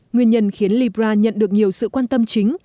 nguyên nhân khiến libra nhận được nhiều sự quan tâm chính